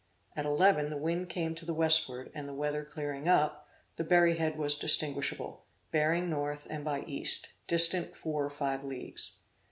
At eleven the wind came to the westward, and the weather clearing up, the Berryhead was distinguishable, bearing north and by east, distant four or five leagues.